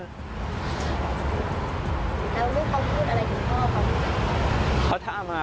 แล้วลูกเขาพูดอะไรถึงพ่อเขา